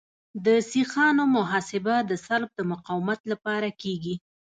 د سیخانو محاسبه د سلب د مقاومت لپاره کیږي